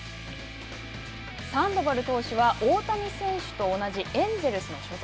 サンドバル投手は大谷選手と同じエンジェルスに所属。